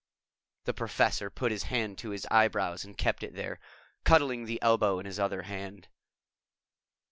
The Professor put his hand to his eyebrows and kept it there, cuddling the elbow in his other hand.